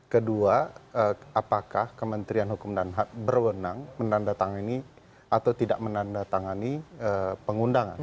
kedua apakah kementerian hukum dan hak berwenang menandatangani atau tidak menandatangani pengundangan